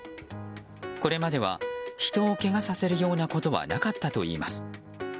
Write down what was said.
これまでは人をけがさせるようなことはなかったといいます。